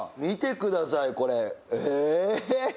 見てくださいこれ。え。